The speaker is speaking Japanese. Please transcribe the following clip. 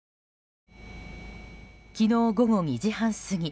昨日午後２時半過ぎ